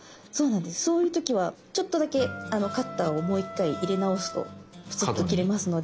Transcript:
そういう時はちょっとだけカッターをもう１回入れ直すとプツッと切れますので。